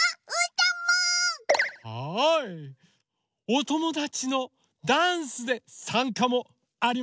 おともだちのダンスでさんかもありますよ。